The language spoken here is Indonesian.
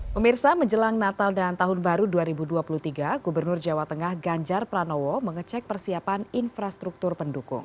pemirsa menjelang natal dan tahun baru dua ribu dua puluh tiga gubernur jawa tengah ganjar pranowo mengecek persiapan infrastruktur pendukung